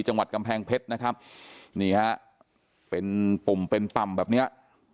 จังหวัดกำแพงเพชรนะครับนี่ฮะเป็นปุ่มเป็นป่ำแบบเนี้ย